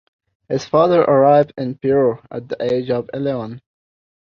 His father arrived in Peru at the age of eleven.